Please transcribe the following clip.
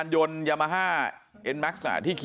มันต้องการมาหาเรื่องมันจะมาแทงนะ